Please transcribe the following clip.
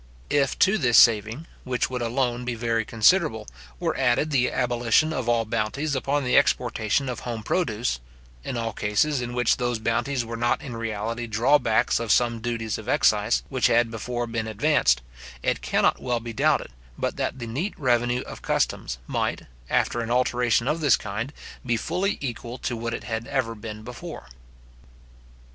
If to this saving, which would alone be very considerable, were added the abolition of all bounties upon the exportation of home produce; in all cases in which those bounties were not in reality drawbacks of some duties of excise which had before been advanced; it cannot well be doubted, but that the neat revenue of customs might, after an alteration of this kind, be fully equal to what it had ever been before.